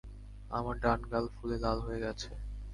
আমার ডান গালে ফুলে লাল হয়ে আছে।